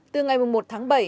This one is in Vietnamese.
từ ngày một mươi một tháng bảy